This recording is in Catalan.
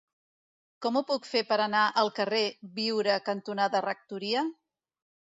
Com ho puc fer per anar al carrer Biure cantonada Rectoria?